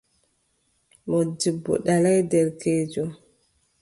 Moodibbo ɗalaay derkeejo.